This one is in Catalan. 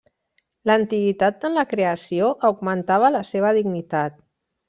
L'antiguitat en la creació augmentava la seva dignitat.